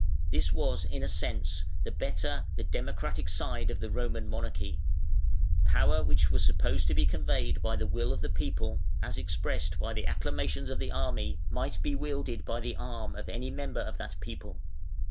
This was, in a sense, the better, the democratic side of the Roman monarchy. Power which was supposed to be conveyed by the will of the people (as expressed by the acclamations of the army) might be wielded by the arm of any member of that people.